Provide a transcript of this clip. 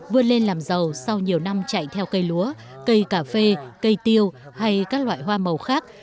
vươn lên làm giàu sau nhiều năm chạy theo cây lúa cây cà phê cây tiêu hay các loại hoa màu khác